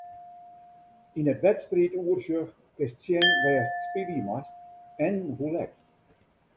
Yn it wedstriidoersjoch kinst sjen wêr'tst spylje moatst en hoe let.